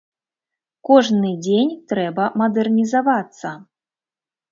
Кожны дзень трэба мадэрнізавацца.